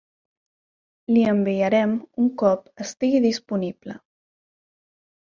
Li enviarem un cop estigui disponible.